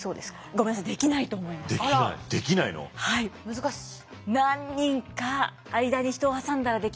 難しい。